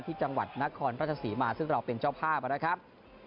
ที่จังหวัดนครราชศรีมาซึ่งเราเป็นเจ้าภาพนะครับ